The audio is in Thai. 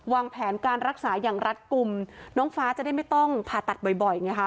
วางแผนการรักษาอย่างรัดกลุ่มน้องฟ้าจะได้ไม่ต้องผ่าตัดบ่อยบ่อยไงคะ